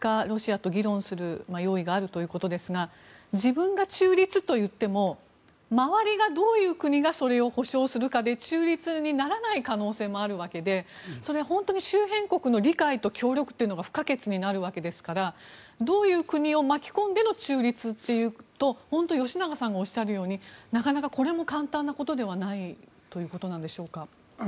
ロシアと議論する用意があるということですが自分が中立といっても周りが、どういう国がそれを保障するかで中立にならない可能性もあるわけでそれは本当に周辺国の理解と協力が不可欠になるわけですからどういう国を巻き込んでの中立かというと本当に吉永さんがおっしゃるとおりなかなかこれも簡単なことではないということでしょうか。